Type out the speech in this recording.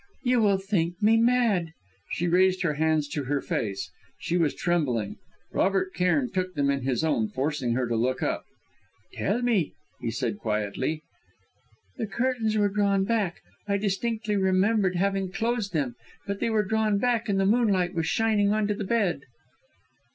You will think me mad!" She raised her hands to her face; she was trembling. Robert Cairn took them in his own, forcing her to look up. "Tell me," he said quietly. "The curtains were drawn back; I distinctly remembered having closed them, but they were drawn back; and the moonlight was shining on to the bed."